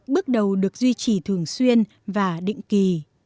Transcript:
bước đầu được duy trì thường xuyên và định kỳ